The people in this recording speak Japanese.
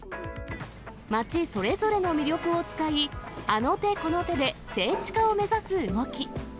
町それぞれの魅力を使い、あの手この手で聖地化を目指す動き。